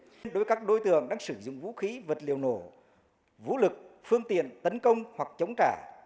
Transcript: khi đối với các đối tượng đang sử dụng vũ khí vật liệu nổ vũ lực phương tiện tấn công hoặc chống trả